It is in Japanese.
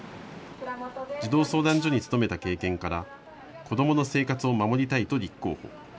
児童相談所に勤めた経験から子どもの生活を守りたいと立候補。